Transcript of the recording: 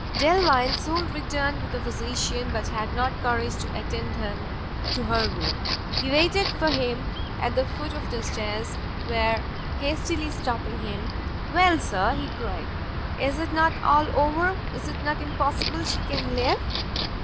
Delvile soon returned with a physician, but had not courage to attend him to her room. He waited for him at the foot of the stairs, where, hastily stopping him, "Well, sir," he cried, "is it not all over? is it not impossible she can live?"